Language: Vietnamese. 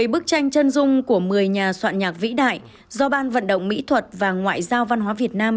một mươi bức tranh chân dung của một mươi nhà soạn nhạc vĩ đại do ban vận động mỹ thuật và ngoại giao văn hóa việt nam